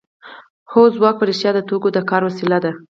هو ځواک په رښتیا د توکو د کار وسیله ده